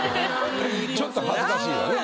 ちょっと恥ずかしいわね。